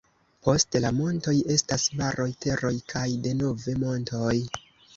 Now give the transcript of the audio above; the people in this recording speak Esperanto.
Post la montoj estas maroj, teroj kaj denove montoj.